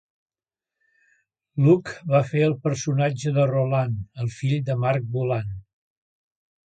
Luke va fer el personatge de Rolan, el fill de Marc Bolan.